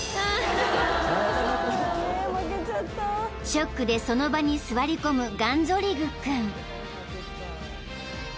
［ショックでその場に座り込むガンゾリグ君］